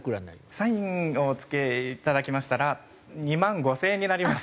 サインをお付けいただきましたら２万５０００円になります。